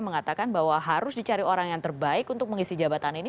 mengatakan bahwa harus dicari orang yang terbaik untuk mengisi jabatan ini